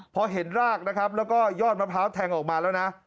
พอเห็นรากนะครับแล้วก็ยอดมะพร้าวแทงออกมาแล้วนะ